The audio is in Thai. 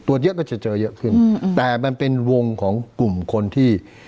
เยอะก็จะเจอเยอะขึ้นแต่มันเป็นวงของกลุ่มคนที่